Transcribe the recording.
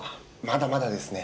まだまだですね。